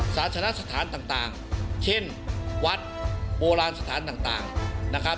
ศาสนสถานต่างเช่นวัดโบราณสถานต่างนะครับ